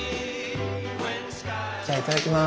じゃあいただきます。